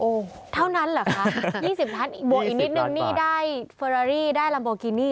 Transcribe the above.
เท่านั้นเหรอคะ๒๐ล้านอีกบวกอีกนิดนึงนี่ได้เฟอรารี่ได้ลัมโบกินี่